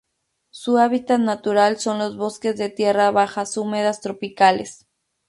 Su hábitat natural son los bosques de tierras bajas húmedas tropicales.